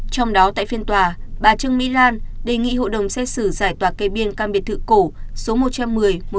trong đó tại phiên tòa bà trương mỹ lan đề nghị hội đồng xét xử giải tỏa cây biên căn biệt thự cổ